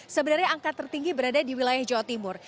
sebenarnya angka tertinggi berada di wilayah jawa timur